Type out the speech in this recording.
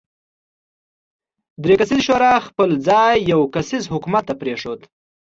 درې کسیزې شورا خپل ځای یو کسیز حکومت ته پرېښود.